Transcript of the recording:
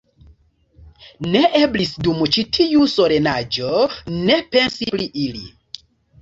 Ne eblis dum ĉi tiu solenaĵo ne pensi pri ili.